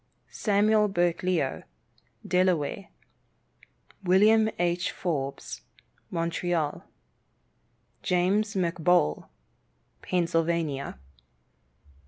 Samuel Burkleo, Delaware. William H. Forbes, Montreal. James McBoal, Pennsylvania.